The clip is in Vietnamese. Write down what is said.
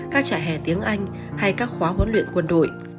các trại hè tiếng anh hay các khóa huấn luyện quân đội